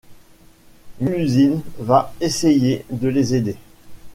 Mélusine va essayer de les aider.